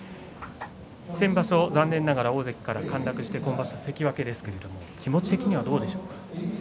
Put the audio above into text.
先場所、残念ながら大関から陥落して今場所は関脇ですけれども気持ちはどうでしょう。